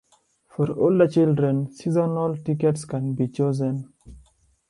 For older children, seasonal tickets can be chosen.